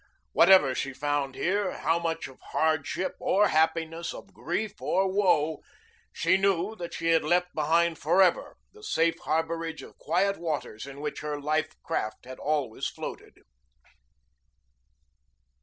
Whatever she found here how much of hardship or happiness, of grief or woe she knew that she had left behind forever the safe harborage of quiet waters in which her life craft had always floated.